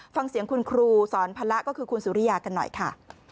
ฟังเสียงคุณครูสอนพละก็คือคุณสุริยากันหน่อยค่ะ